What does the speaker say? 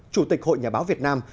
chủ tịch hội nhà báo việt nam